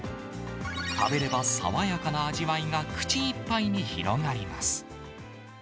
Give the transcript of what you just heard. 食べれば爽やかな味わいが口いっぱいに広がります。